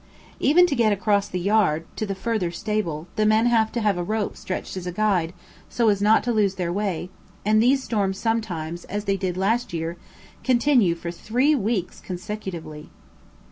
Even to get across the yard to the further stable the men have to have a rope stretched as guide so as not to lose their way; and these storms sometimes, as they did this last year, continue for three weeks consecutively.